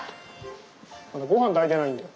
まだごはん炊いてないんだよ。